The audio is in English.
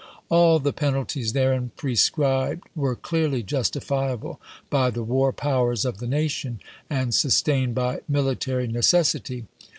All the penalties therein prescribed were clearly justifiable by the war powers of the nation and sustained by military necessity.